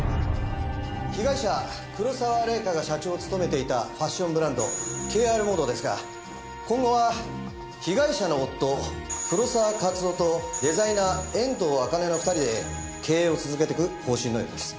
被害者黒沢玲香が社長を務めていたファッションブランドＫＲｍｏｄｅですが今後は被害者の夫黒沢克夫とデザイナー遠藤あかねの２人で経営を続けていく方針のようです。